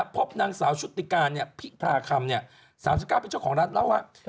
พบนางสาวชุติกาพี่พระคำ๓๙เป็นเจ้าของรัฐแล้ว